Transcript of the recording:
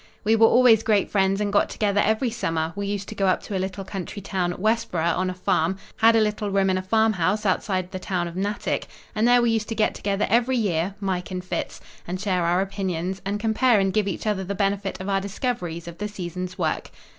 "We were always great friends and got together every summer; we used to go up to a little country town, Westboro, on a farm; had a little room in a farmhouse outside of the town of Natick, and there we used to get together every year (Mike and Fitz') and share our opinions, and compare and give each other the benefit of our discoveries of the season's work.